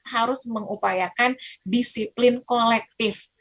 harus mengupayakan disiplin kolektif